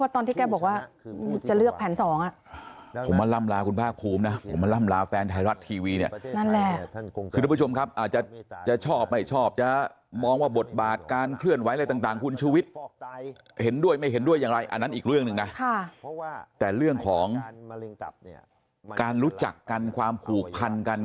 แต่เรื่องของการรู้จักกันความผูกพันกัน